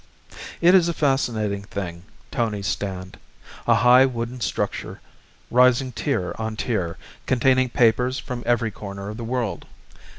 It is a fascinating thing, Tony's stand. A high wooden structure rising tier on tier, containing papers from every corner of the world.